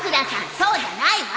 そうじゃないわ。